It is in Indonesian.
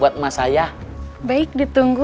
tasik tasik tasik